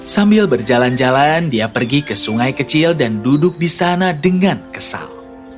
sambil berjalan jalan dia pergi ke sungai kecil dan duduk di sana dengan kesal